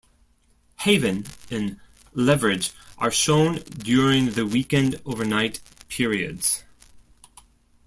"Haven" and "Leverage" are shown during the weekend overnight periods.